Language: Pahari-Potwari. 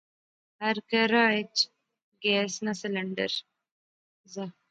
ہر کہرا اچ گیس نا سلنڈر زا